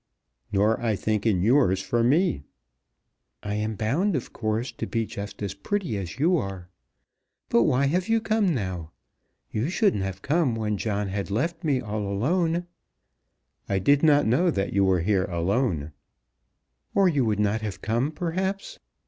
"Nor I think in yours for me." "I am bound, of course, to be just as pretty as you are. But why have you come now? You shouldn't have come when John had left me all alone." "I did not know that you were here alone." "Or you would not have come, perhaps?